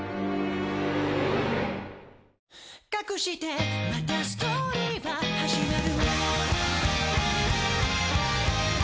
「かくしてまたストーリーは始まる」